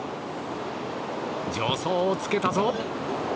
助走をつけたぞ。